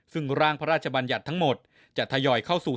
ซึ่งร่างพระราชบัญญัติทั้งหมดจะทยอยเข้าสู่